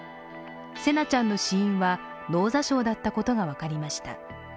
成那ちゃんの死因は脳挫傷だったことが分かりました。